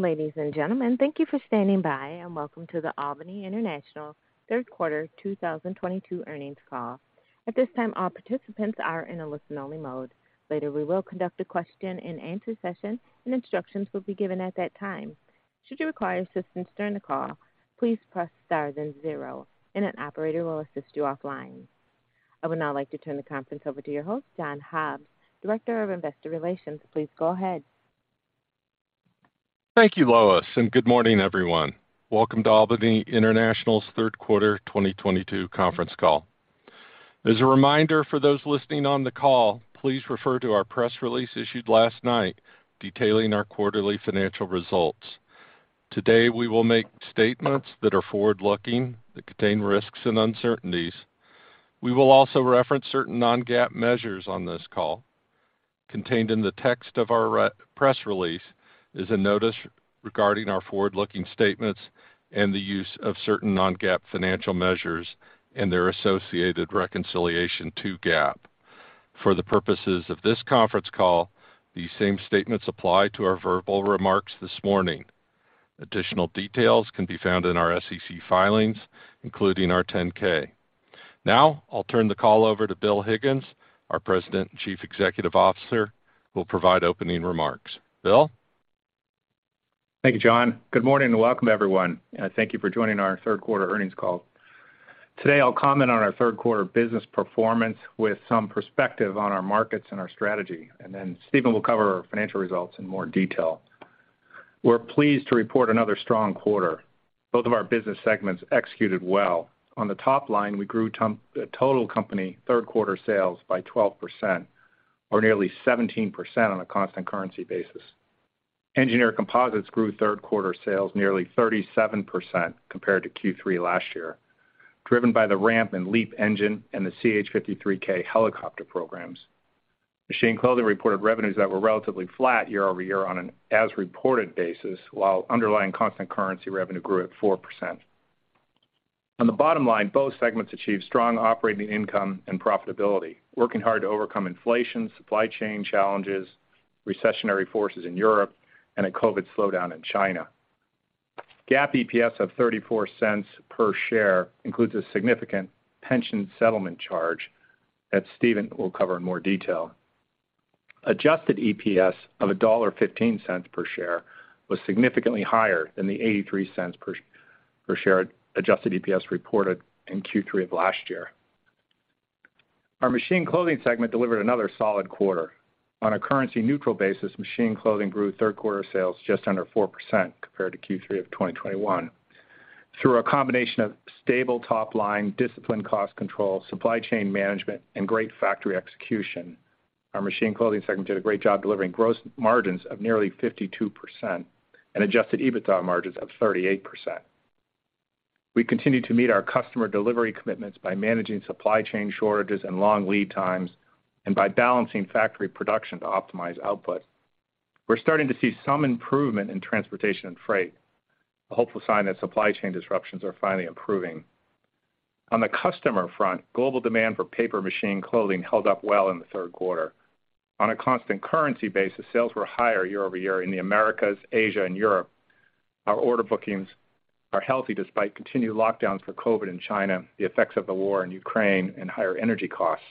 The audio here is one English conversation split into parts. Ladies and gentlemen, thank you for standing by and welcome to the Albany International Third Quarter 2022 earnings call. At this time, all participants are in a listen-only mode. Later, we will conduct a question-and-answer session and instructions will be given at that time. Should you require assistance during the call, please press Star then zero, and an operator will assist you offline. I would now like to turn the conference over to your host, John Hobbs, Director of Investor Relations. Please go ahead. Thank you, Lois, and good morning, everyone. Welcome to Albany International's third quarter 2022 conference call. As a reminder for those listening on the call, please refer to our press release issued last night detailing our quarterly financial results. Today, we will make statements that are forward-looking that contain risks and uncertainties. We will also reference certain non-GAAP measures on this call. Contained in the text of our press release is a notice regarding our forward-looking statements and the use of certain non-GAAP financial measures and their associated reconciliation to GAAP. For the purposes of this conference call, these same statements apply to our verbal remarks this morning. Additional details can be found in our SEC filings, including our 10-K. Now, I'll turn the call over to Bill Higgins, our President and Chief Executive Officer, who will provide opening remarks. Bill? Thank you, John. Good morning and welcome, everyone. Thank you for joining our third quarter earnings call. Today, I'll comment on our third quarter business performance with some perspective on our markets and our strategy, and then Stephen will cover our financial results in more detail. We're pleased to report another strong quarter. Both of our business segments executed well. On the top line, we grew total company third-quarter sales by 12% or nearly 17% on a constant currency basis. Engineered Composites grew third-quarter sales nearly 37% compared to Q3 last year, driven by the ramp and LEAP engine and the CH-53K helicopter programs. Machine Clothing reported revenues that were relatively flat year-over-year on an as reported basis, while underlying constant currency revenue grew at 4%. On the bottom line, both segments achieved strong operating income and profitability, working hard to overcome inflation, supply chain challenges, recessionary forces in Europe, and a COVID slowdown in China. GAAP EPS of $0.34 per share includes a significant pension settlement charge that Stephen will cover in more detail. Adjusted EPS of $1.15 per share was significantly higher than the $0.83 per share adjusted EPS reported in Q3 of last year. Our Machine Clothing segment delivered another solid quarter. On a currency-neutral basis, Machine Clothing grew third quarter sales just under 4% compared to Q3 of 2021. Through a combination of stable top line, disciplined cost control, supply chain management, and great factory execution, our Machine Clothing segment did a great job delivering gross margins of nearly 52% and adjusted EBITDA margins of 38%. We continue to meet our customer delivery commitments by managing supply chain shortages and long lead times, and by balancing factory production to optimize output. We're starting to see some improvement in transportation and freight, a hopeful sign that supply chain disruptions are finally improving. On the customer front, global demand for Paper Machine Clothing held up well in the third quarter. On a constant currency basis, sales were higher year-over-year in the Americas, Asia, and Europe. Our order bookings are healthy despite continued lockdowns for COVID in China, the effects of the war in Ukraine, and higher energy costs.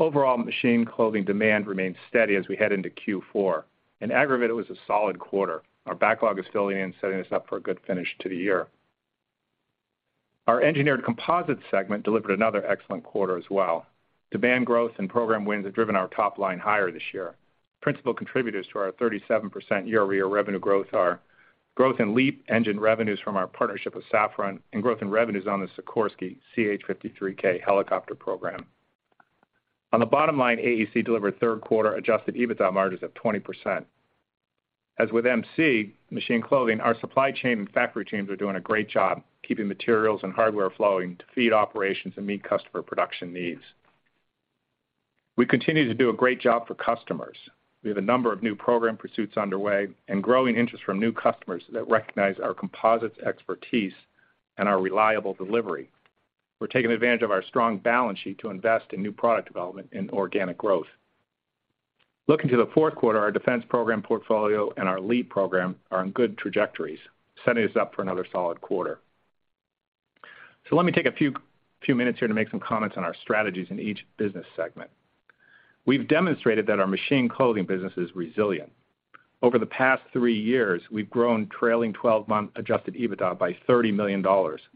Overall, Machine Clothing demand remains steady as we head into Q4. In aggregate, it was a solid quarter. Our backlog is filling in, setting us up for a good finish to the year. Our Engineered Composites segment delivered another excellent quarter as well. Demand growth and program wins have driven our top line higher this year. Principal contributors to our 37% year-over-year revenue growth are growth in LEAP engine revenues from our partnership with Safran and growth in revenues on the Sikorsky CH-53K helicopter program. On the bottom line, AEC delivered third quarter adjusted EBITDA margins of 20%. As with MC, Machine Clothing, our supply chain and factory teams are doing a great job keeping materials and hardware flowing to feed operations and meet customer production needs. We continue to do a great job for customers. We have a number of new program pursuits underway and growing interest from new customers that recognize our composites expertise and our reliable delivery. We're taking advantage of our strong balance sheet to invest in new product development and organic growth. Looking to the fourth quarter, our defense program portfolio and our LEAP program are on good trajectories, setting us up for another solid quarter. Let me take a few minutes here to make some comments on our strategies in each business segment. We've demonstrated that our Machine Clothing business is resilient. Over the past three years, we've grown trailing 12-month adjusted EBITDA by $30 million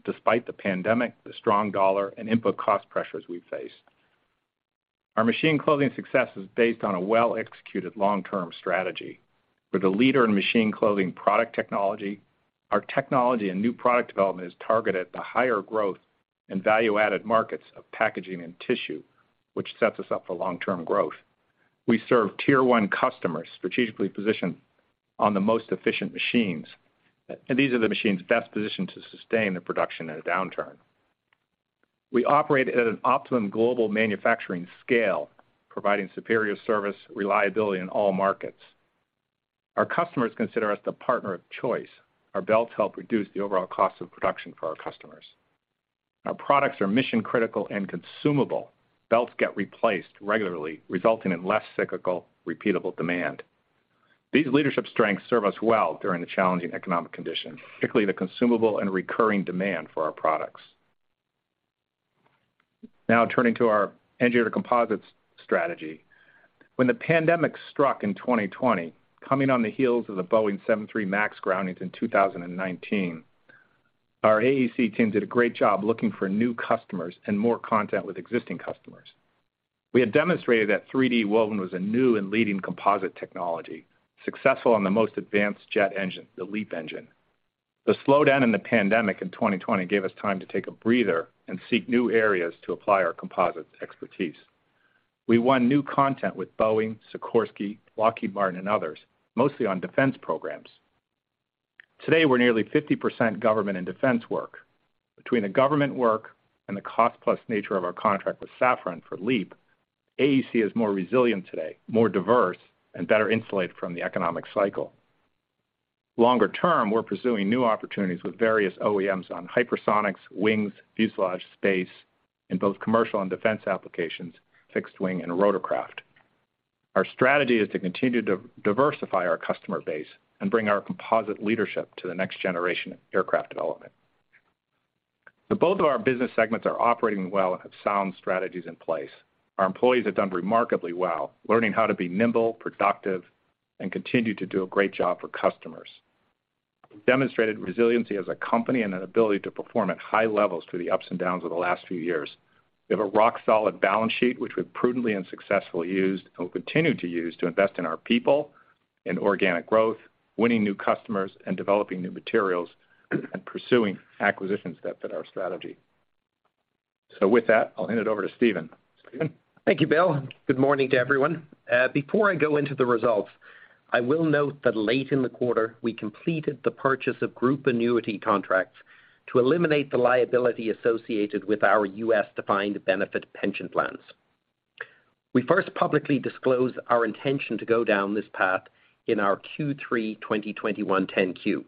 despite the pandemic, the strong dollar, and input cost pressures we've faced. Our Machine Clothing success is based on a well-executed long-term strategy. We're the leader in Machine Clothing product technology. Our technology and new product development is targeted at the higher growth and value-added markets of packaging and tissue, which sets us up for long-term growth. We serve tier one customers strategically positioned on the most efficient machines, and these are the machines best positioned to sustain the production in a downturn. We operate at an optimum global manufacturing scale, providing superior service reliability in all markets. Our customers consider us the partner of choice. Our belts help reduce the overall cost of production for our customers. Our products are mission critical and consumable. Belts get replaced regularly, resulting in less cyclical, repeatable demand. These leadership strengths serve us well during the challenging economic conditions, particularly the consumable and recurring demand for our products. Now turning to our Engineered Composites strategy. When the pandemic struck in 2020, coming on the heels of the Boeing 737 MAX groundings in 2019, our AEC team did a great job looking for new customers and more content with existing customers. We had demonstrated that 3D woven was a new and leading composite technology, successful on the most advanced jet engine, the LEAP engine. The slowdown in the pandemic in 2020 gave us time to take a breather and seek new areas to apply our composites expertise. We won new content with Boeing, Sikorsky, Lockheed Martin, and others, mostly on defense programs. Today, we're nearly 50% government and defense work. Between the government work and the cost-plus nature of our contract with Safran for LEAP, AEC is more resilient today, more diverse, and better insulated from the economic cycle. Longer term, we're pursuing new opportunities with various OEMs on hypersonics, wings, fuselage, space in both commercial and defense applications, fixed wing and rotorcraft. Our strategy is to continue to diversify our customer base and bring our composite leadership to the next generation of aircraft development. Both of our business segments are operating well and have sound strategies in place. Our employees have done remarkably well, learning how to be nimble, productive, and continue to do a great job for customers. We've demonstrated resiliency as a company and an ability to perform at high levels through the ups and downs of the last few years. We have a rock-solid balance sheet, which we've prudently and successfully used and will continue to use to invest in our people, in organic growth, winning new customers, and developing new materials, and pursuing acquisitions that fit our strategy. With that, I'll hand it over to Stephen. Stephen? Thank you, Bill. Good morning to everyone. Before I go into the results, I will note that late in the quarter, we completed the purchase of group annuity contracts to eliminate the liability associated with our U.S. defined benefit pension plans. We first publicly disclosed our intention to go down this path in our Q3 2021 10-Q.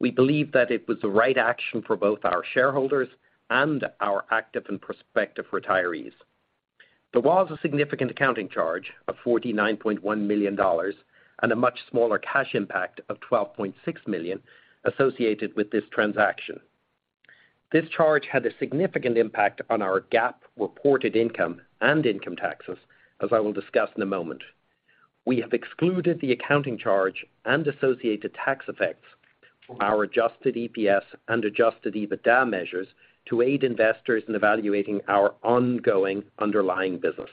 We believe that it was the right action for both our shareholders and our active and prospective retirees. There was a significant accounting charge of $49.1 million and a much smaller cash impact of $12.6 million associated with this transaction. This charge had a significant impact on our GAAP reported income and income taxes, as I will discuss in a moment. We have excluded the accounting charge and associated tax effects from our adjusted EPS and adjusted EBITDA measures to aid investors in evaluating our ongoing underlying business.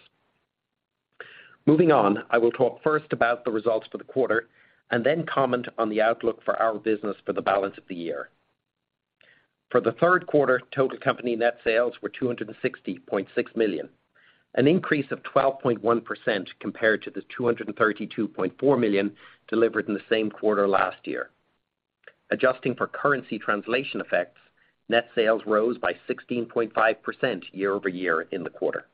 Moving on, I will talk first about the results for the quarter, and then comment on the outlook for our business for the balance of the year. For the third quarter, total company net sales were $260.6 million, an increase of 12.1% compared to the $232.4 million delivered in the same quarter last year. Adjusting for currency translation effects, net sales rose by 16.5% year-over-year in the quarter.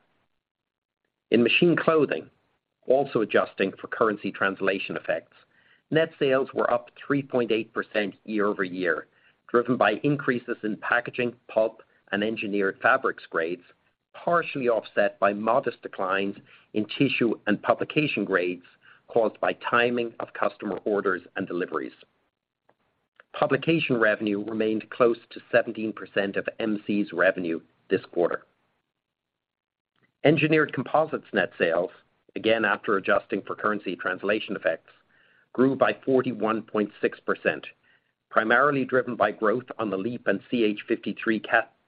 In Machine Clothing, also adjusting for currency translation effects, net sales were up 3.8% year-over-year, driven by increases in packaging, pulp, and engineered fabrics grades, partially offset by modest declines in tissue and publication grades caused by timing of customer orders and deliveries. Publication revenue remained close to 17% of MC's revenue this quarter. Engineered Composites net sales, again, after adjusting for currency translation effects, grew by 41.6%, primarily driven by growth on the LEAP and CH-53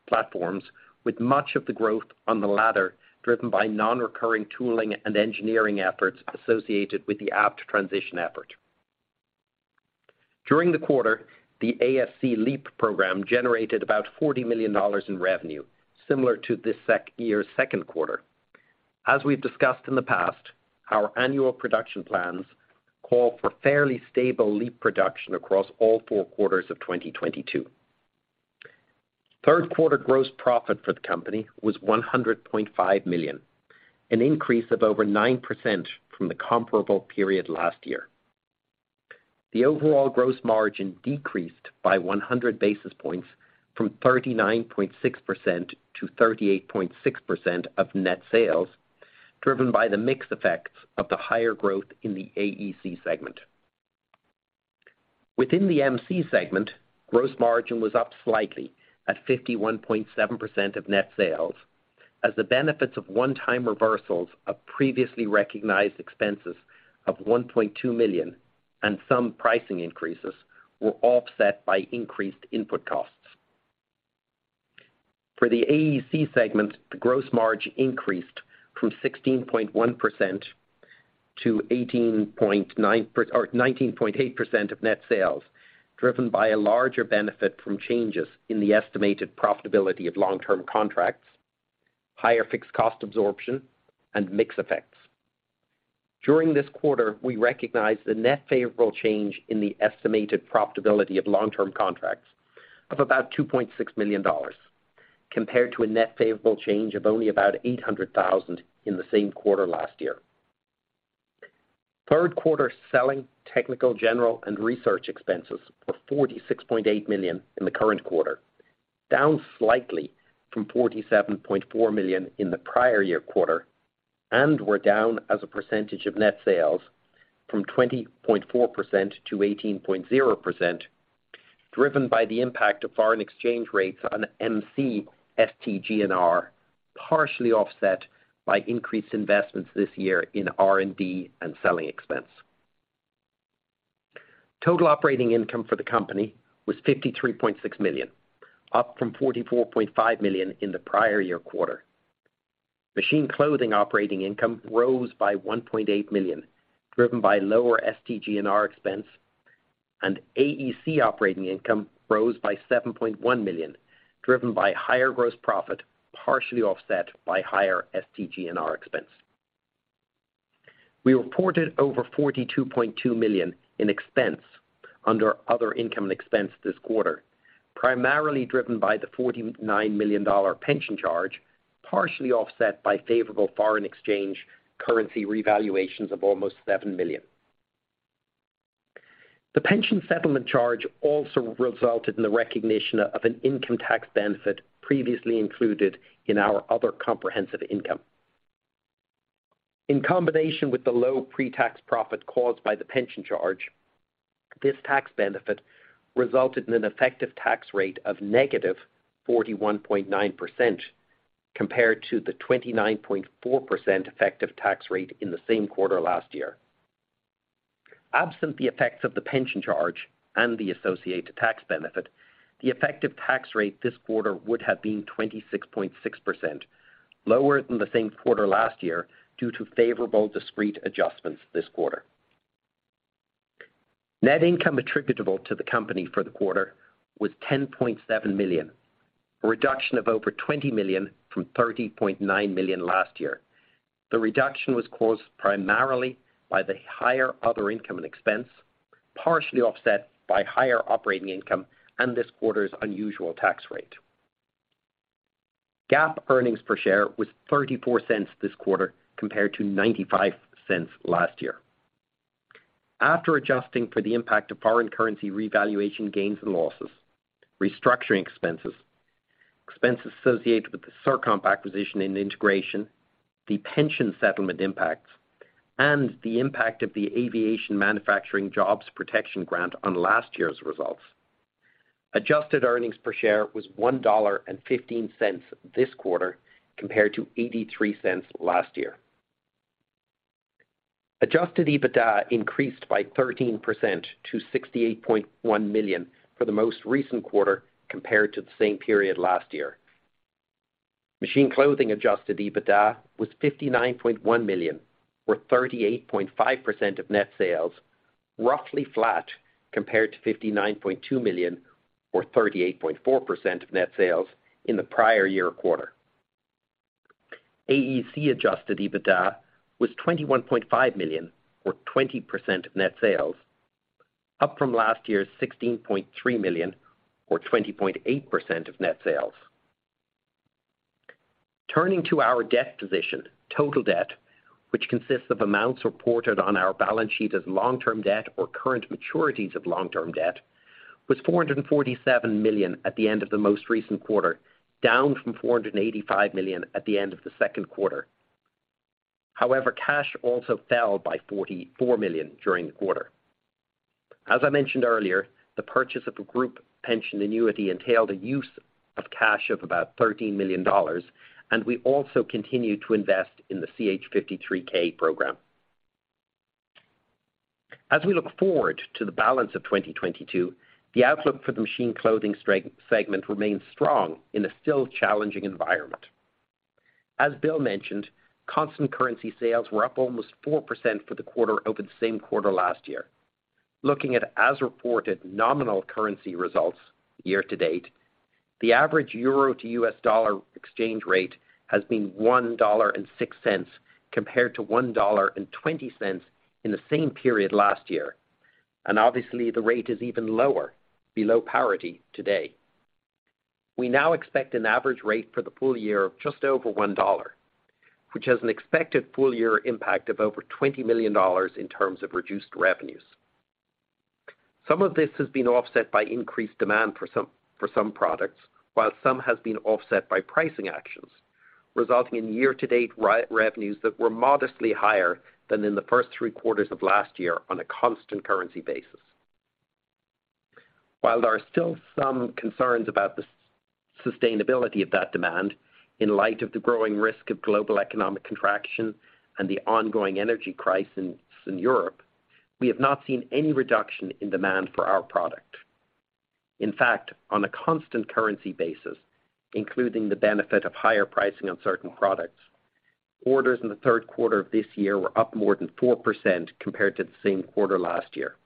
platforms, with much of the growth on the latter driven by non-recurring tooling and engineering efforts associated with the aft transition effort. During the quarter, the AEC LEAP program generated about $40 million in revenue, similar to this year's second quarter. As we've discussed in the past, our annual production plans call for fairly stable LEAP production across all four quarters of 2022. Third quarter gross profit for the company was $100.5 million, an increase of over 9% from the comparable period last year. The overall gross margin decreased by 100 basis points from 39.6% to 38.6% of net sales, driven by the mix effects of the higher growth in the AEC segment. Within the MC segment, gross margin was up slightly at 51.7% of net sales as the benefits of one-time reversals of previously recognized expenses of $1.2 million and some pricing increases were offset by increased input costs. For the AEC segment, the gross margin increased from 16.1% to 19.8% of net sales, driven by a larger benefit from changes in the estimated profitability of long-term contracts, higher fixed cost absorption, and mix effects. During this quarter, we recognized a net favorable change in the estimated profitability of long-term contracts of about $2.6 million, compared to a net favorable change of only about $800,000 in the same quarter last year. Third quarter selling technical general and research expenses were $46.8 million in the current quarter, down slightly from $47.4 million in the prior year quarter, and were down as a percentage of net sales from 20.4% to 18.0%, driven by the impact of foreign exchange rates on MC STG&R, partially offset by increased investments this year in R&D and selling expense. Total operating income for the company was $53.6 million, up from $44.5 million in the prior year quarter. Machine Clothing operating income rose by $1.8 million, driven by lower STG&R expense, and AEC operating income rose by $7.1 million, driven by higher gross profit, partially offset by higher STG&R expense. We reported over $42.2 million in expense under other income and expense this quarter, primarily driven by the $49 million pension charge, partially offset by favorable foreign exchange currency revaluations of almost $7 million. The pension settlement charge also resulted in the recognition of an income tax benefit previously included in our other comprehensive income. In combination with the low pre-tax profit caused by the pension charge, this tax benefit resulted in an effective tax rate of -41.9% compared to the 29.4% effective tax rate in the same quarter last year. Absent the effects of the pension charge and the associated tax benefit, the effective tax rate this quarter would have been 26.6%, lower than the same quarter last year due to favorable discrete adjustments this quarter. Net income attributable to the company for the quarter was $10.7 million, a reduction of over $20 million from $30.9 million last year. The reduction was caused primarily by the higher other income and expense, partially offset by higher operating income and this quarter's unusual tax rate. GAAP earnings per share was $0.34 this quarter compared to $0.95 last year. After adjusting for the impact of foreign currency revaluation gains and losses, restructuring expenses associated with the CirComp acquisition and integration, the pension settlement impacts, and the impact of the Aviation Manufacturing Jobs Protection grant on last year's results, adjusted earnings per share was $1.15 this quarter compared to $0.83 last year. Adjusted EBITDA increased by 13% to $68.1 million for the most recent quarter compared to the same period last year. Machine Clothing adjusted EBITDA was $59.1 million or 38.5% of net sales, roughly flat compared to $59.2 million or 38.4% of net sales in the prior year quarter. AEC adjusted EBITDA was $21.5 million or 20% of net sales, up from last year's $16.3 million or 20.8% of net sales. Turning to our debt position, total debt, which consists of amounts reported on our balance sheet as long-term debt or current maturities of long-term debt, was $447 million at the end of the most recent quarter, down from $485 million at the end of the second quarter. However, cash also fell by $44 million during the quarter. As I mentioned earlier, the purchase of a group pension annuity entailed a use of cash of about $13 million, and we also continued to invest in the CH-53K program. As we look forward to the balance of 2022, the outlook for the Machine Clothing segment remains strong in a still challenging environment. As Bill mentioned, constant currency sales were up almost 4% for the quarter over the same quarter last year. Looking at as reported nominal currency results year to date, the average euro to U.S. Dollar exchange rate has been $1.06 compared to $1.20 in the same period last year. Obviously the rate is even lower below parity today. We now expect an average rate for the full year of just over $1, which has an expected full year impact of over $20 million in terms of reduced revenues. Some of this has been offset by increased demand for some products, while some has been offset by pricing actions, resulting in year-to-date revenues that were modestly higher than in the first three quarters of last year on a constant currency basis. While there are still some concerns about the sustainability of that demand, in light of the growing risk of global economic contraction and the ongoing energy crisis in Europe, we have not seen any reduction in demand for our product. In fact, on a constant currency basis, including the benefit of higher pricing on certain products, orders in the third quarter of this year were up more than 4% compared to the same quarter last year.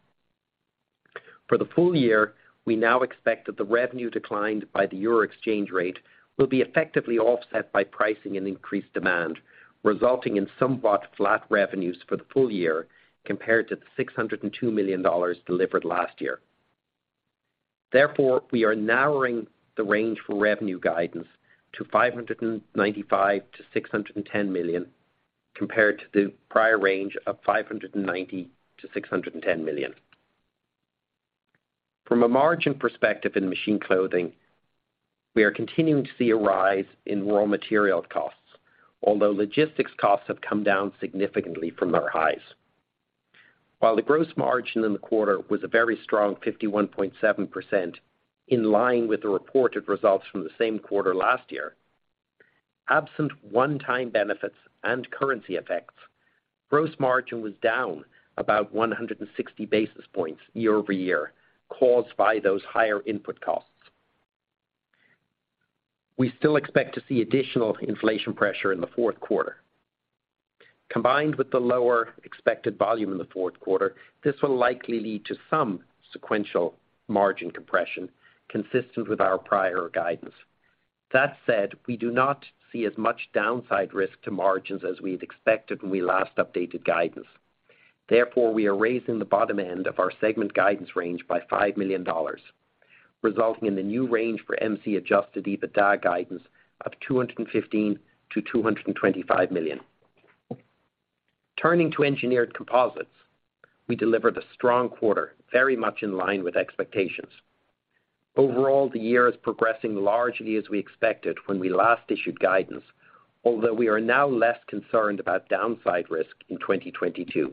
For the full year, we now expect that the revenue decline from the euro exchange rate will be effectively offset by pricing and increased demand, resulting in somewhat flat revenues for the full year compared to the $602 million delivered last year. Therefore, we are narrowing the range for revenue guidance to $595 million-$610 million, compared to the prior range of $590 million-$610 million. From a margin perspective in Machine Clothing, we are continuing to see a rise in raw material costs, although logistics costs have come down significantly from their highs. While the gross margin in the quarter was a very strong 51.7%, in line with the reported results from the same quarter last year, absent one-time benefits and currency effects, gross margin was down about 160 basis points year-over-year, caused by those higher input costs. We still expect to see additional inflation pressure in the fourth quarter. Combined with the lower expected volume in the fourth quarter, this will likely lead to some sequential margin compression consistent with our prior guidance. That said, we do not see as much downside risk to margins as we had expected when we last updated guidance. Therefore, we are raising the bottom end of our segment guidance range by $5 million, resulting in the new range for MC adjusted EBITDA guidance of $215 million-$225 million. Turning to Engineered Composites, we delivered a strong quarter, very much in line with expectations. Overall, the year is progressing largely as we expected when we last issued guidance, although we are now less concerned about downside risk in 2022.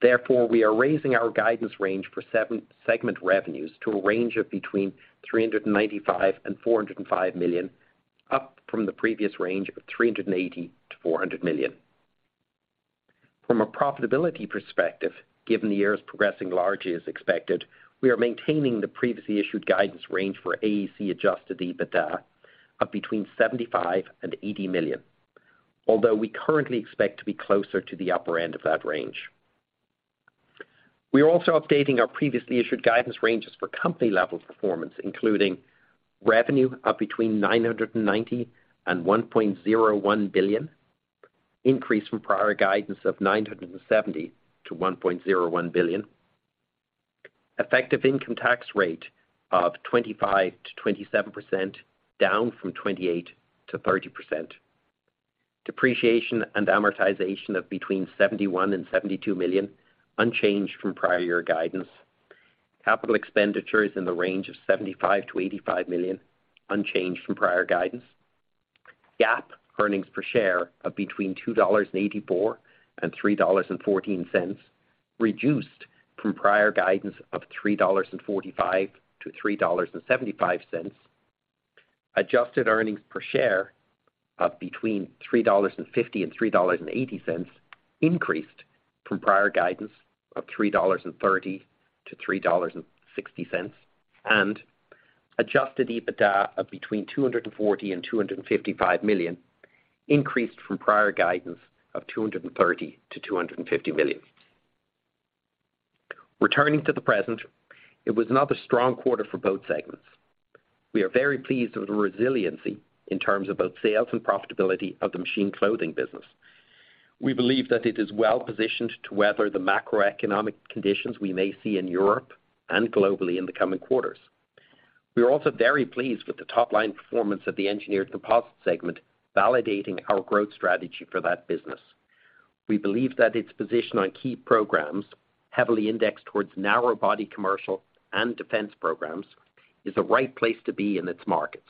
Therefore, we are raising our guidance range for AEC segment revenues to a range of between $395 million and $405 million, up from the previous range of $380 million-$400 million. From a profitability perspective, given the year is progressing largely as expected, we are maintaining the previously issued guidance range for AEC adjusted EBITDA of between $75 million and $80 million, although we currently expect to be closer to the upper end of that range. We are also updating our previously issued guidance ranges for company-level performance, including revenue of between $990 million and $1.01 billion, increase from prior guidance of $970 million-$1.01 billion. Effective income tax rate of 25%-27%, down from 28%-30%. Depreciation and amortization of between $71 million and $72 million, unchanged from prior year guidance. Capital expenditures in the range of $75 million-$85 million, unchanged from prior guidance. GAAP earnings per share of between $2.84 and $3.14, reduced from prior guidance of $3.45-$3.75. Adjusted earnings per share of between $3.50 and $3.80, increased from prior guidance of $3.30-$3.60. Adjusted EBITDA of between $240 million and $255 million, increased from prior guidance of $230 million to $250 million. Returning to the present, it was another strong quarter for both segments. We are very pleased with the resiliency in terms of both sales and profitability of the Machine Clothing business. We believe that it is well positioned to weather the macroeconomic conditions we may see in Europe and globally in the coming quarters. We are also very pleased with the top-line performance of the Engineered Composites segment, validating our growth strategy for that business. We believe that its position on key programs, heavily indexed towards narrow-body commercial and defense programs, is the right place to be in its markets.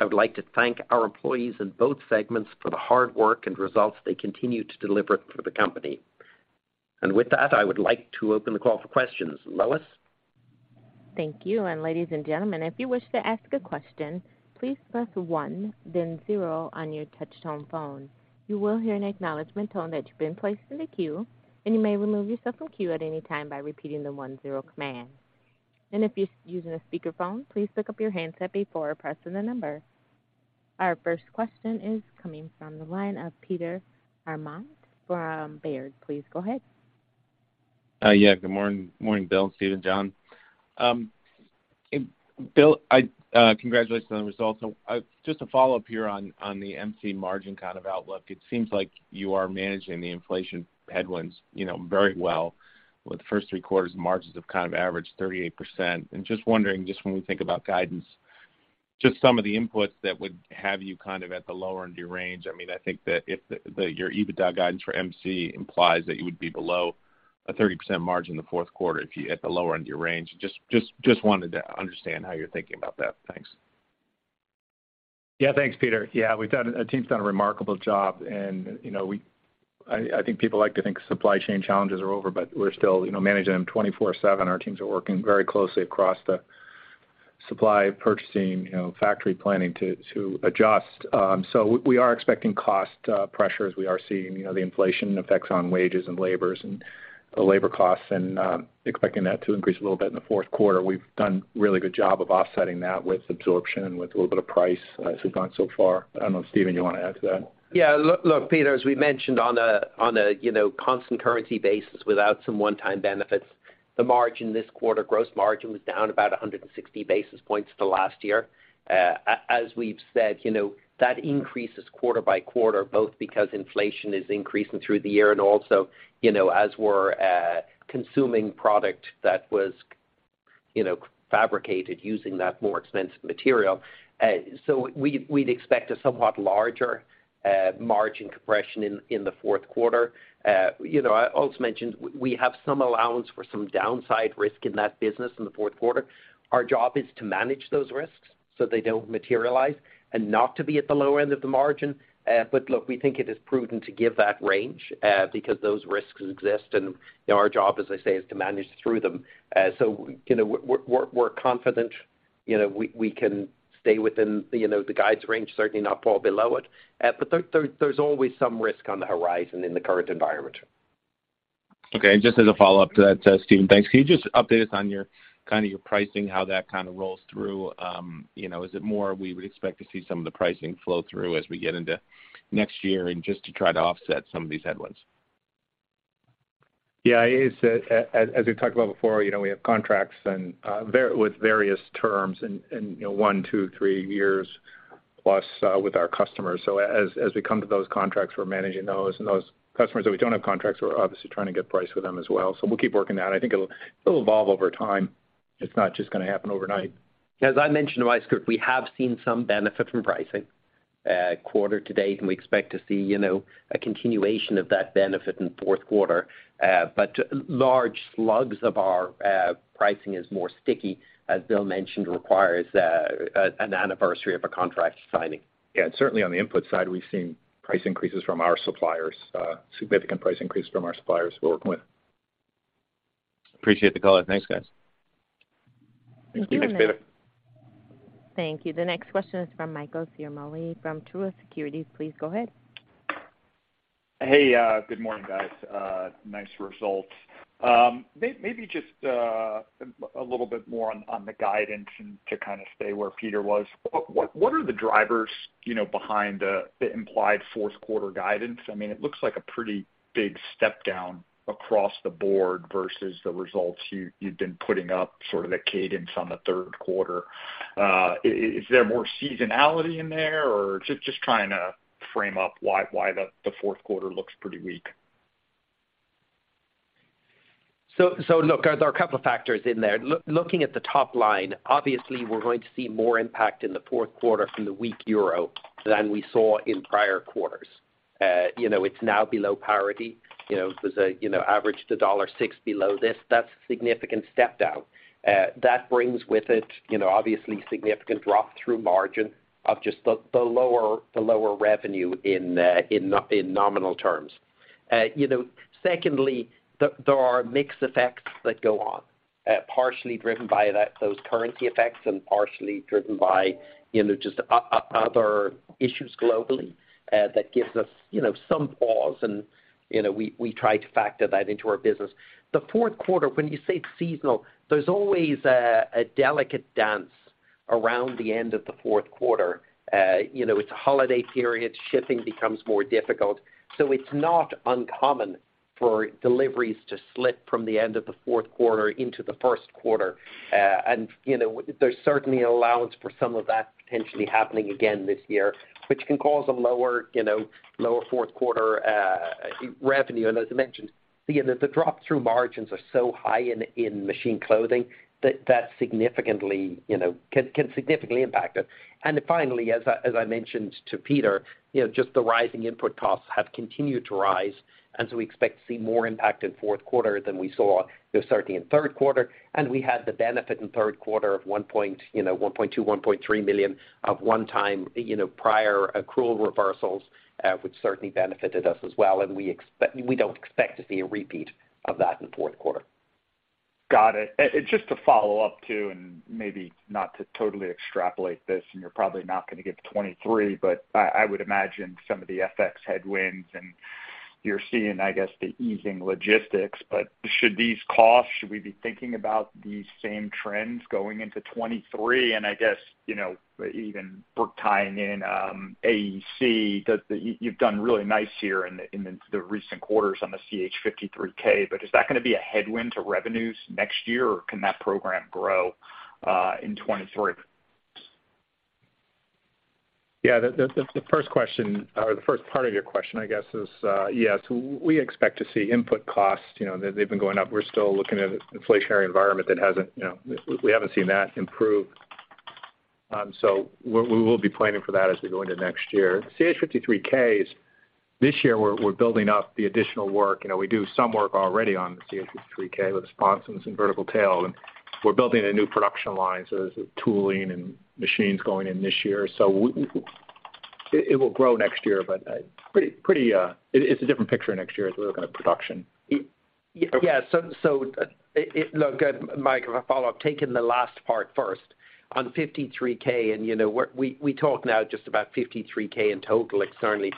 I would like to thank our employees in both segments for the hard work and results they continue to deliver for the company. With that, I would like to open the call for questions. Lois? Thank you. Ladies and gentlemen, if you wish to ask a question, please press one then zero on your touch-tone phone. You will hear an acknowledgment tone that you've been placed in the queue, and you may remove yourself from queue at any time by repeating the one-zero command. If you're using a speakerphone, please pick up your handset before pressing the number. Our first question is coming from the line of Peter Arment from Baird. Please go ahead. Yeah, good morning. Morning, Bill, Stephen, John. Bill, congratulations on the results. Just a follow-up here on the MC margin kind of outlook. It seems like you are managing the inflation headwinds, you know, very well. With the first three quarters, margins have kind of averaged 38%. Just wondering, when we think about guidance, some of the inputs that would have you kind of at the lower end of your range. I mean, I think that if your EBITDA guidance for MC implies that you would be below a 30% margin in the fourth quarter if you hit the lower end of your range. Just wanted to understand how you're thinking about that. Thanks. Yeah. Thanks, Peter. Yeah, our team's done a remarkable job, and, you know, I think people like to think supply chain challenges are over, but we're still, you know, managing them 24/7. Our teams are working very closely across the supply, purchasing, you know, factory planning to adjust. So we are expecting cost pressures. We are seeing, you know, the inflation effects on wages and labor and the labor costs and expecting that to increase a little bit in the fourth quarter. We've done a really good job of offsetting that with absorption and with a little bit of price as we've gone so far. I don't know if, Stephen, you want to add to that. Yeah. Look, Peter, as we mentioned on a, you know, constant currency basis without some one-time benefits, the margin this quarter, gross margin, was down about 160 basis points to last year. As we've said, you know, that increases quarter by quarter, both because inflation is increasing through the year and also, you know, as we're consuming product that was you know, fabricated using that more expensive material. So we'd expect a somewhat larger margin compression in the fourth quarter. You know, I also mentioned we have some allowance for some downside risk in that business in the fourth quarter. Our job is to manage those risks so they don't materialize and not to be at the lower end of the margin. Look, we think it is prudent to give that range, because those risks exist, and, you know, our job, as I say, is to manage through them. You know, we're confident, you know, we can stay within, you know, the guide's range, certainly not fall below it. There's always some risk on the horizon in the current environment. Okay. Just as a follow-up to that, Stephen, thanks. Can you just update us on your pricing, how that kind of rolls through? You know, is it more we would expect to see some of the pricing flow through as we get into next year and just to try to offset some of these headwinds? As we've talked about before, you know, we have contracts and with various terms and, you know, one, two, three years+ with our customers. As we come to those contracts, we're managing those. Those customers that we don't have contracts, we're obviously trying to get price with them as well. We'll keep working that. I think it'll evolve over time. It's not just gonna happen overnight. As I mentioned to Mike, we have seen some benefit from pricing, quarter to date, and we expect to see, you know, a continuation of that benefit in fourth quarter. Large slugs of our pricing is more sticky, as Bill mentioned, requires an anniversary of a contract signing. Yeah. Certainly on the input side, we've seen significant price increases from our suppliers we're working with. Appreciate the color. Thanks, guys. Thank you. Thanks, Peter. Thank you. The next question is from Michael Ciarmoli from Truist Securities. Please go ahead. Hey, good morning, guys. Nice results. Maybe just a little bit more on the guidance and to kind of stay where Peter was. What are the drivers, you know, behind the implied fourth quarter guidance? I mean, it looks like a pretty big step down across the board versus the results you'd been putting up, sort of the cadence on the third quarter. Is there more seasonality in there, or just trying to frame up why the fourth quarter looks pretty weak? Look, there are a couple of factors in there. Looking at the top line, obviously, we're going to see more impact in the fourth quarter from the weak euro than we saw in prior quarters. You know, it's now below parity. You know, there's an average to $1.06 below this. That's a significant step down. That brings with it, you know, obviously significant drop through margin of just the lower revenue in nominal terms. You know, secondly, there are mixed effects that go on, partially driven by those currency effects and partially driven by, you know, just other issues globally, that gives us, you know, some pause and, you know, we try to factor that into our business. The fourth quarter, when you say it's seasonal, there's always a delicate dance around the end of the fourth quarter. You know, it's a holiday period, shipping becomes more difficult. It's not uncommon for deliveries to slip from the end of the fourth quarter into the first quarter. You know, there's certainly an allowance for some of that potentially happening again this year, which can cause a lower fourth quarter revenue. As I mentioned, the, you know, the drop through margins are so high in Machine Clothing that significantly, you know, can significantly impact it. Finally, as I mentioned to Peter, you know, just the rising input costs have continued to rise, so we expect to see more impact in fourth quarter than we saw certainly in third quarter. We had the benefit in third quarter of $1.2 million-$1.3 million of one-time, you know, prior accrual reversals, which certainly benefited us as well. We don't expect to see a repeat of that in the fourth quarter. Got it. Just to follow up too, and maybe not to totally extrapolate this, and you're probably not gonna give 2023, but I would imagine some of the FX headwinds and you're seeing, I guess, the easing logistics. But should these costs, should we be thinking about these same trends going into 2023? And I guess, you know, even tying in, AEC, you've done really nice here in the recent quarters on the CH-53K. But is that gonna be a headwind to revenues next year, or can that program grow in 2023? Yeah. The first question or the first part of your question, I guess is yes, we expect to see input costs. You know, they've been going up. We're still looking at an inflationary environment that hasn't, you know, we haven't seen that improve. So we will be planning for that as we go into next year. CH-53Ks, this year, we're building up the additional work. You know, we do some work already on the CH-53K with sponsons and vertical tail, and we're building a new production line, so there's tooling and machines going in this year. It will grow next year, but pretty, it's a different picture next year as we look at production. Look, Mike, if I follow up, taking the last part first on CH-53K, you know, we talk now just about CH-53K in total externally.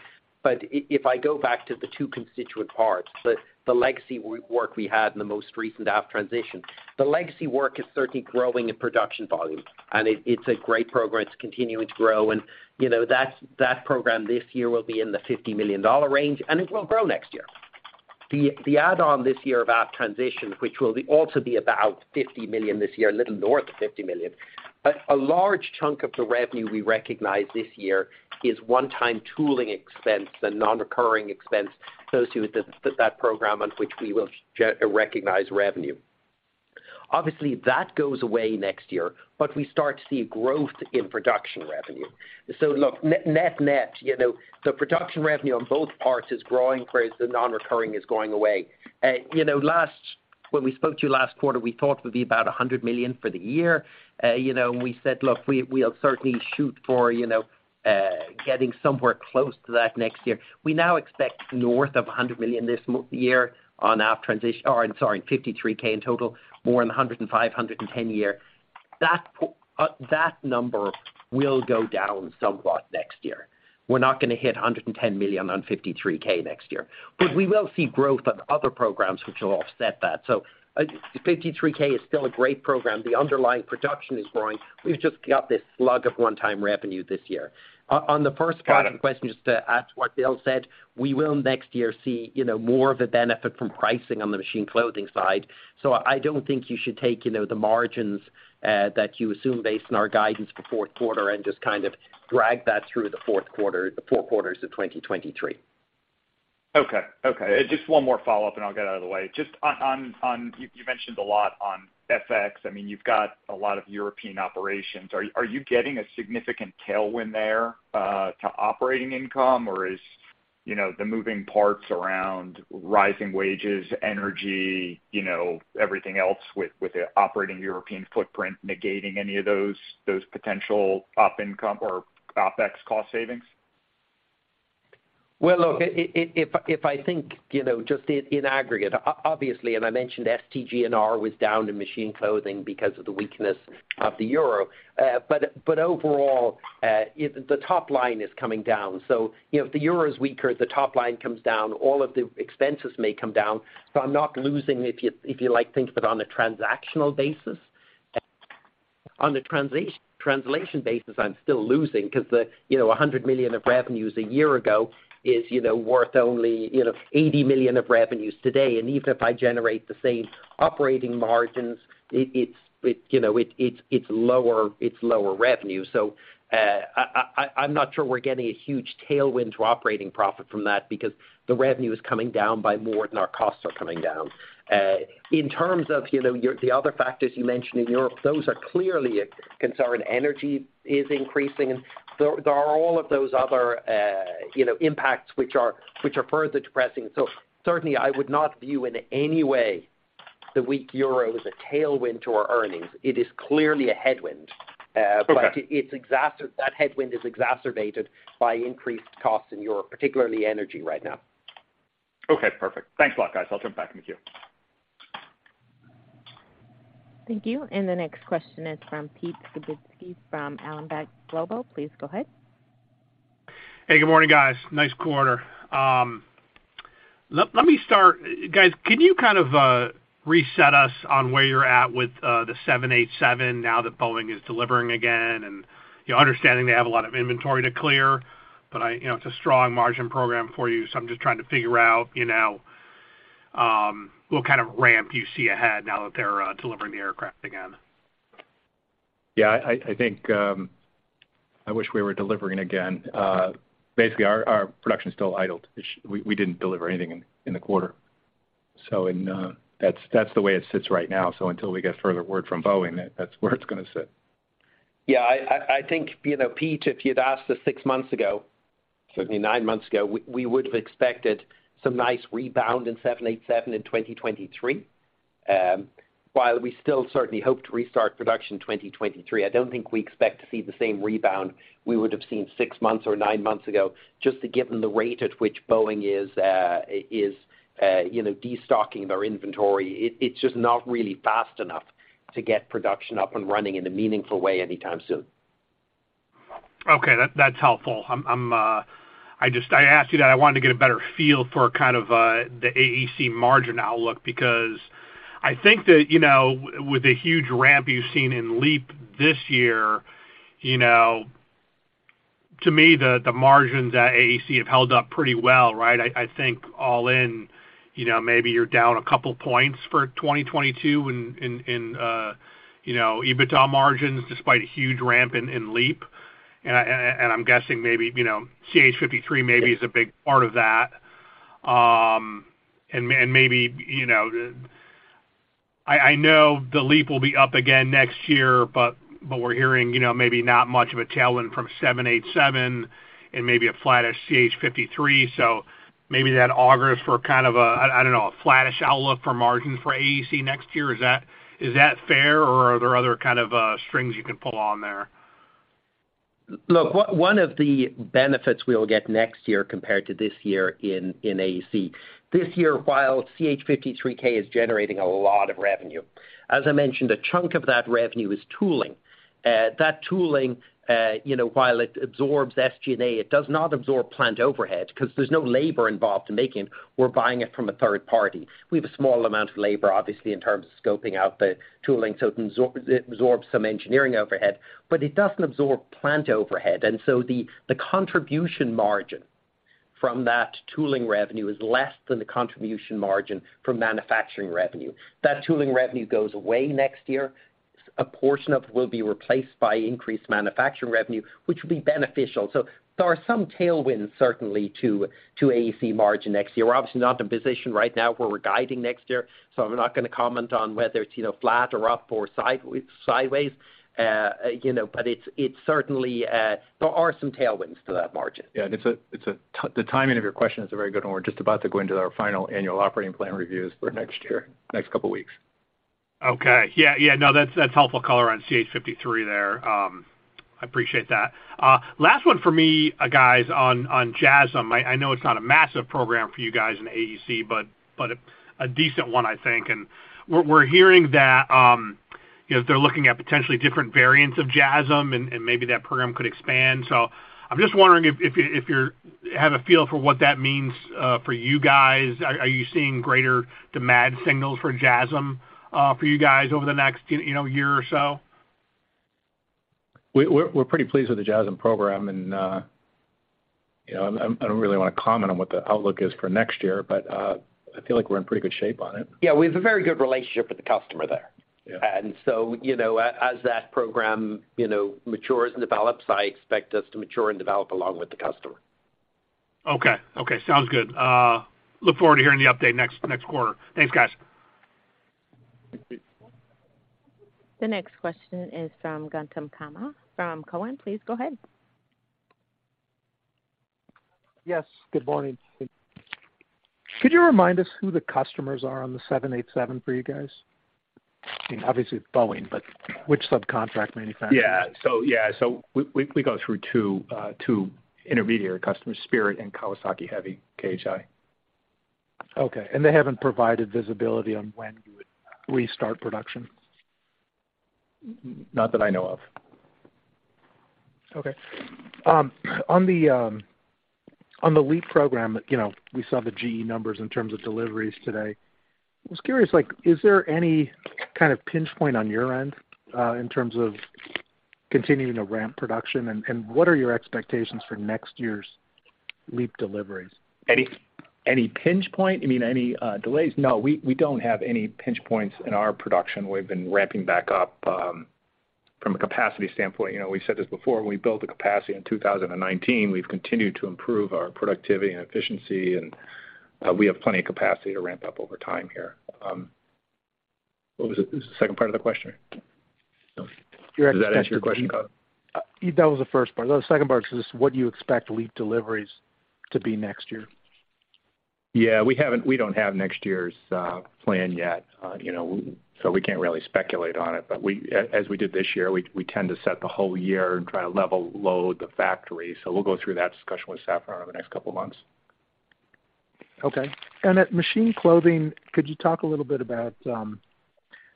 If I go back to the two constituent parts, the legacy work we had in the most recent aft transition, the legacy work is certainly growing in production volume, and it's a great program. It's continuing to grow. You know, that program this year will be in the $50 million range, and it will grow next year. The add-on this year of aft transition, which will also be about $50 million this year, a little north of $50 million. A large chunk of the revenue we recognize this year is one-time tooling expense, the non-recurring expense associated with that program on which we will recognize revenue. That goes away next year, but we start to see growth in production revenue. Look, net-net, you know, the production revenue on both parts is growing whereas the non-recurring is going away. When we spoke to you last quarter, we thought it would be about $100 million for the year. We said, look, we'll certainly shoot for getting somewhere close to that next year. We now expect north of $100 million this year on aft transition or CH-53K in total, more in the $105 million, $110 million. That number will go down somewhat next year. We're not gonna hit $110 million on CH-53K next year. We will see growth on other programs which will offset that. CH-53K is still a great program. The underlying production is growing. We've just got this slug of one-time revenue this year. On the first part of the question, just to add to what Bill said, we will next year see, you know, more of the benefit from pricing on the Machine Clothing side. I don't think you should take, you know, the margins that you assume based on our guidance for fourth quarter and just kind of drag that through the fourth quarter, the four quarters of 2023. Okay. Just one more follow-up, and I'll get out of the way. Just on. You mentioned a lot on FX. I mean, you've got a lot of European operations. Are you getting a significant tailwind there to operating income? Or is, you know, the moving parts around rising wages, energy, you know, everything else with the operating European footprint negating any of those potential op income or OpEx cost savings? Well, look, if I think, you know, just in aggregate, obviously, and I mentioned STG&R was down to Machine Clothing because of the weakness of the euro. Overall, the top line is coming down. You know, if the euro is weaker, the top line comes down, all of the expenses may come down. I'm not losing if you like, think of it on a transactional basis. On the translation basis, I'm still losing 'cause the, you know, $100 million of revenues a year ago is, you know, worth only, you know, $80 million of revenues today. Even if I generate the same operating margins, it's lower revenue. I'm not sure we're getting a huge tailwind to operating profit from that because the revenue is coming down by more than our costs are coming down. In terms of, you know, the other factors you mentioned in Europe, those are clearly a concern. Energy is increasing. There are all of those other, you know, impacts which are further depressing. Certainly I would not view in any way the weak euro as a tailwind to our earnings. It is clearly a headwind. Okay. That headwind is exacerbated by increased costs in Europe, particularly energy right now. Okay, perfect. Thanks a lot, guys. I'll jump back in the queue. Thank you. The next question is from Pete Skibitski from Alembic Global Advisors. Please go ahead. Hey, good morning, guys. Nice quarter. Let me start. Guys, can you kind of reset us on where you're at with the seven eight seven now that Boeing is delivering again? You know, understanding they have a lot of inventory to clear. You know, it's a strong margin program for you, so I'm just trying to figure out what kind of ramp you see ahead now that they're delivering the aircraft again. I think I wish we were delivering again. Basically our production is still idled. We didn't deliver anything in the quarter. That's the way it sits right now. Until we get further word from Boeing, that's where it's gonna sit. Yeah, I think, you know, Pete, if you'd asked us six months ago, certainly nine months ago, we would have expected some nice rebound in 787 in 2023. While we still certainly hope to restart production in 2023, I don't think we expect to see the same rebound we would have seen six months or nine months ago, just given the rate at which Boeing is, you know, destocking their inventory. It's just not really fast enough to get production up and running in a meaningful way anytime soon. Okay. That's helpful. I asked you that. I wanted to get a better feel for kind of the AEC margin outlook, because I think that, you know, with the huge ramp you've seen in LEAP this year, you know, to me, the margins at AEC have held up pretty well, right? I think all in, you know, maybe you're down a couple points for 2022 in EBITDA margins despite a huge ramp in LEAP. I'm guessing maybe, you know, CH-53 maybe is a big part of that. Maybe, you know, I know the LEAP will be up again next year, but we're hearing, you know, maybe not much of a tailwind from 787 and maybe a flattish CH-53. Maybe that augurs for kind of a, I don't know, a flattish outlook for margin for AEC next year. Is that fair or are there other kind of strings you can pull on there? Look, one of the benefits we'll get next year compared to this year in AEC. This year, while CH-53K is generating a lot of revenue, as I mentioned, a chunk of that revenue is tooling. That tooling, while it absorbs SG&A, it does not absorb plant overhead 'cause there's no labor involved in making. We're buying it from a third party. We have a small amount of labor, obviously, in terms of scoping out the tooling, so it absorbs some engineering overhead, but it doesn't absorb plant overhead. The contribution margin from that tooling revenue is less than the contribution margin from manufacturing revenue. That tooling revenue goes away next year. A portion of it will be replaced by increased manufacturing revenue, which will be beneficial. There are some tailwinds certainly to AEC margin next year. We're obviously not in a position right now where we're guiding next year, so I'm not gonna comment on whether it's, you know, flat or up or sideways. You know, it's certainly there are some tailwinds to that margin. Yeah. The timing of your question is a very good one. We're just about to go into our final annual operating plan reviews for next year, next couple weeks. Okay. Yeah, no, that's helpful color on CH-53 there. I appreciate that. Last one for me, guys, on JASSM. I know it's not a massive program for you guys in AEC, but a decent one, I think. We're hearing that, you know, they're looking at potentially different variants of JASSM and maybe that program could expand. I'm just wondering if you have a feel for what that means for you guys. Are you seeing greater demand signals for JASSM for you guys over the next year or so? We're pretty pleased with the JASSM program and, you know, I don't really wanna comment on what the outlook is for next year, but, I feel like we're in pretty good shape on it. Yeah. We have a very good relationship with the customer there. Yeah. You know, as that program, you know, matures and develops, I expect us to mature and develop along with the customer. Okay. Okay, sounds good. Look forward to hearing the update next quarter. Thanks, guys. The next question is from Gautam Khanna from Cowen. Please go ahead. Yes, good morning. Could you remind us who the customers are on the 787 for you guys? I mean, obviously it's Boeing, but which subcontract manufacturer? Yeah. We go through two intermediary customers, Spirit AeroSystems and Kawasaki Heavy Industries (KHI). Okay. They haven't provided visibility on when you would restart production? N-not that I know of. Okay. On the LEAP program, you know, we saw the GE numbers in terms of deliveries today. I was curious, like, is there any kind of pinch point on your end in terms of continuing to ramp production? What are your expectations for next year's LEAP deliveries? Any pinch point? You mean any delays? No, we don't have any pinch points in our production. We've been ramping back up from a capacity standpoint. You know, we said this before, we built the capacity in 2019. We've continued to improve our productivity and efficiency, and we have plenty of capacity to ramp up over time here. What was the second part of the question? Your expectations. Does that answer your question, Gautam? That was the first part. The second part is what you expect LEAP deliveries to be next year. Yeah. We don't have next year's plan yet, you know, so we can't really speculate on it. But as we did this year, we tend to set the whole year and try to level load the factory. We'll go through that discussion with Safran over the next couple months. Okay. At Machine Clothing, could you talk a little bit about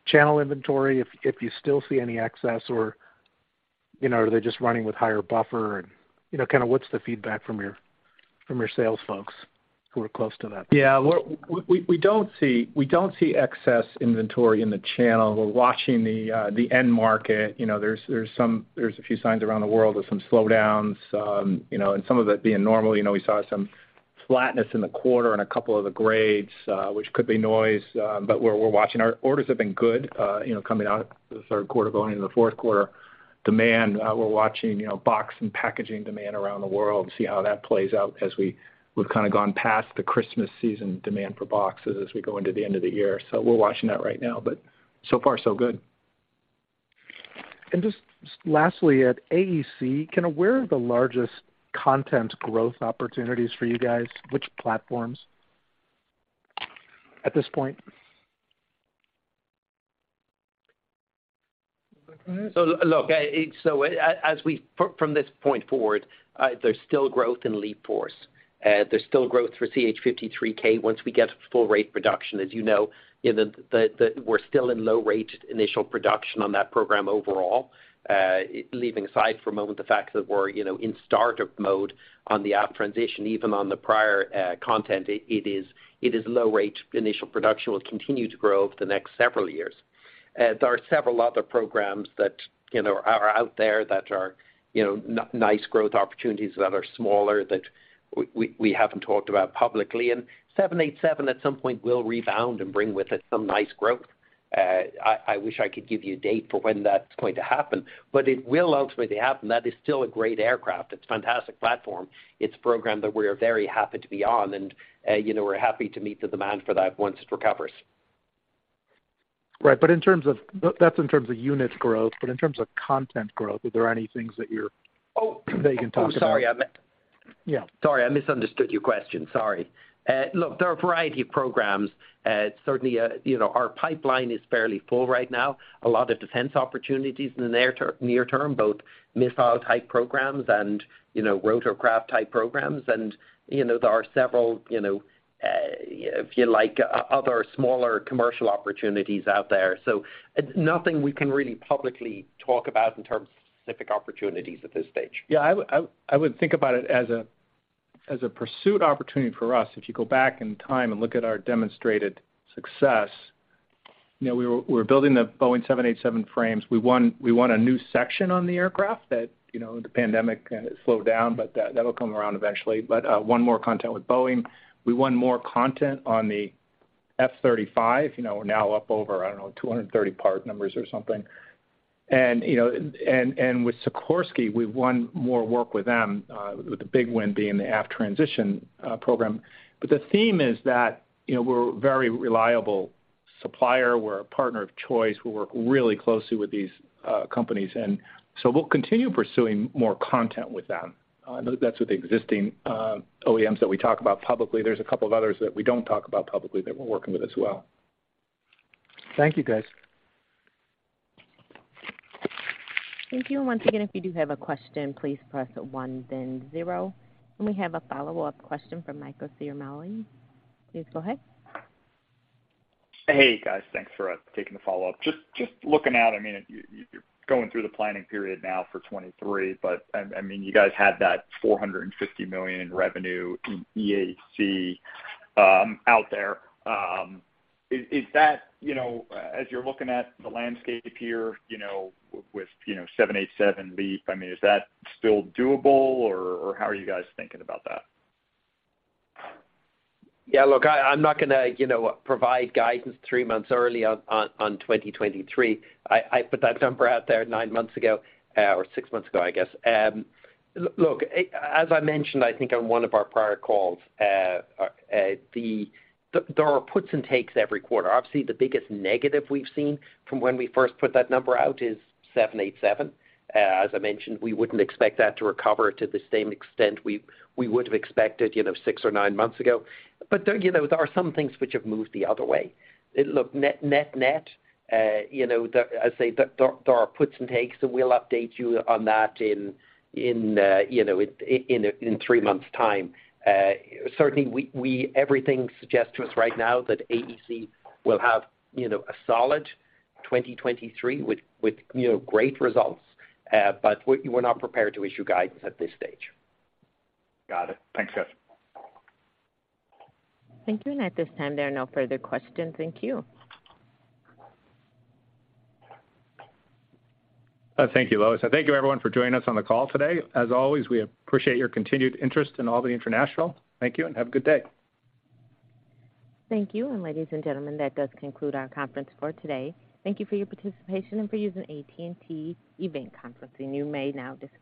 channel inventory, if you still see any excess or, you know, are they just running with higher buffer and, you know, kinda what's the feedback from your sales folks who are close to that? Yeah. We don't see excess inventory in the channel. We're watching the end market. You know, there's a few signs around the world with some slowdowns, you know, and some of it being normal. You know, we saw some flatness in the quarter on a couple of the grades, which could be noise, but we're watching. Our orders have been good, you know, coming out of the third quarter going into the fourth quarter. Demand, we're watching, you know, box and packaging demand around the world to see how that plays out as we've kinda gone past the Christmas season demand for boxes as we go into the end of the year. We're watching that right now, but so far so good. Just lastly, at AEC, kinda where are the largest content growth opportunities for you guys? Which platforms at this point? Look, from this point forward, there's still growth in LEAP forth. There's still growth for CH-53K once we get full-rate production. As you know, you know, we're still in low-rate initial production on that program overall. Leaving aside for a moment the fact that we're, you know, in startup mode on the aft transition, even on the prior content, it is low rate. Initial production will continue to grow over the next several years. There are several other programs that, you know, are out there that are, you know, nice growth opportunities that are smaller that we haven't talked about publicly. 787 at some point will rebound and bring with it some nice growth. I wish I could give you a date for when that's going to happen, but it will ultimately happen. That is still a great aircraft. It's a fantastic platform. It's a program that we're very happy to be on, and, you know, we're happy to meet the demand for that once it recovers. Right. That's in terms of unit growth, but in terms of content growth, are there any things that you're? Oh. that you can talk about? Oh, sorry. Yeah. Sorry, I misunderstood your question. Sorry. Look, there are a variety of programs. Certainly, you know, our pipeline is fairly full right now. A lot of defense opportunities in the near term, both missile type programs and, you know, rotorcraft type programs. You know, there are several, you know, if you like, other smaller commercial opportunities out there. Nothing we can really publicly talk about in terms of specific opportunities at this stage. Yeah. I would think about it as a pursuit opportunity for us. If you go back in time and look at our demonstrated success, you know, we're building the Boeing 787 frames. We won a new section on the aircraft that, you know, the pandemic slowed down, but that'll come around eventually. We won more content with Boeing. We won more content on the F-35, you know, we're now up over, I don't know, 230 part numbers or something. You know, with Sikorsky, we've won more work with them, with the big win being the aft transition program. The theme is that, you know, we're a very reliable supplier, we're a partner of choice. We work really closely with these companies, and so we'll continue pursuing more content with them. That's with the existing OEMs that we talk about publicly. There's a couple of others that we don't talk about publicly that we're working with as well. Thank you, guys. Thank you. Once again, if you do have a question, please press one then zero. We have a follow-up question from Michael Ciarmoli. Please go ahead. Hey, guys, thanks for taking the follow-up. Just looking out, I mean, you're going through the planning period now for 2023, but I mean, you guys had that $450 million in revenue in AEC out there. Is that, you know, as you're looking at the landscape here, you know, with 787 lead, I mean, is that still doable, or how are you guys thinking about that? Yeah, look, I'm not gonna, you know, provide guidance three months early on 2023. I put that number out there nine months ago or six months ago, I guess. Look, as I mentioned, I think on one of our prior calls, there are puts and takes every quarter. Obviously, the biggest negative we've seen from when we first put that number out is 787. As I mentioned, we wouldn't expect that to recover to the same extent we would've expected, you know, six or nine months ago. But there, you know, there are some things which have moved the other way. Look, net, you know, I say there are puts and takes, and we'll update you on that in, you know, in three months time. Certainly everything suggests to us right now that AEC will have, you know, a solid 2023 with you know, great results. We're not prepared to issue guidance at this stage. Got it. Thanks, guys. Thank you. At this time, there are no further questions. Thank you. Thank you, Lois. Thank you, everyone, for joining us on the call today. As always, we appreciate your continued interest in Albany International. Thank you, and have a good day. Thank you. Ladies and gentlemen, that does conclude our conference for today. Thank you for your participation and for using AT&T Event Conferencing. You may now disconnect.